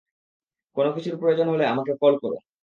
কোনকিছুর প্রয়োজন হলে আমাকে কল করো।